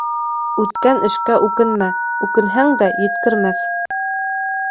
Үткән эшкә үкенмә, үкенһәң дә, еткермәҫ.